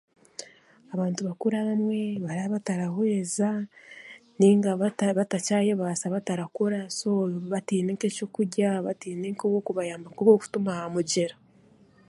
Abantu bakuru abamwe baraabataraweza nainga bata bata batakyebaasa batarakora so bataine kyokurya bataine w'okubayamba nk'ow'okutuma aha mugyera